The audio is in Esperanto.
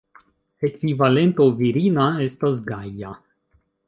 Ekvivalento virina estas Gaja.